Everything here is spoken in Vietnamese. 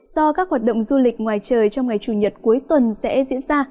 do các hoạt động du lịch ngoài trời trong ngày chủ nhật cuối tuần sẽ diễn ra